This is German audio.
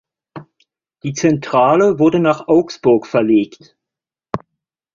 Die Zentrale wurde nach Augsburg verlegt.